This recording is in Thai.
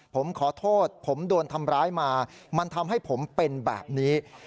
ผมขอโทษผมโดนทำร้ายมามันทำให้ผมเป็นแบบนี้